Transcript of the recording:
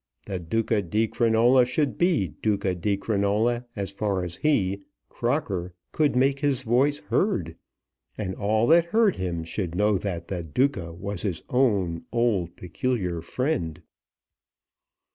The Duca di Crinola should be Duca di Crinola as far as he, Crocker, could make his voice heard; and all that heard him should know that the Duca was his own old peculiar friend.